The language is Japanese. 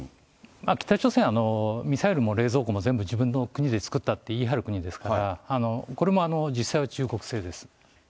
北朝鮮はミサイルも冷蔵庫も全部自分の国で作ったって言い張る国ですから、中国製。